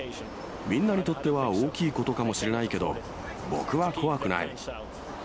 みんなにとっては大きいことかもしれないけど、僕は怖くない。